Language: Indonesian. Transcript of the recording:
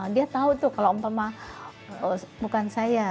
dia tahu tuh kalau umpama bukan saya